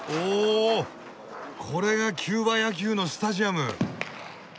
これがキューバ野球のスタジアム！